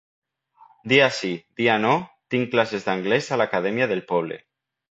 Dia sí, dia no, tinc classes d'anglès a l'acadèmia del poble.